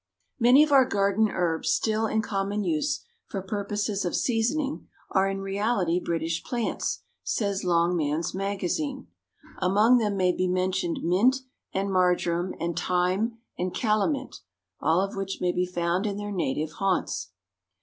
Many of our garden herbs still in common use for purposes of seasoning are in reality British plants, says Longman's Magazine. Among them may be mentioned mint and marjoram and thyme and calamint, all of which may be found in their native haunts.